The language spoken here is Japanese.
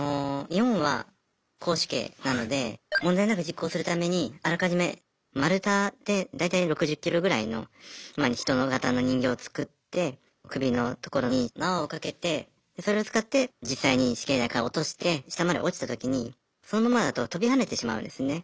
日本は絞首刑なので問題なく実行するためにあらかじめ丸太で大体６０キロぐらいの人がたの人形を作って首のところに縄を掛けてそれを使って実際に死刑台から落として下まで落ちたときにそのままだと跳びはねてしまうんですね。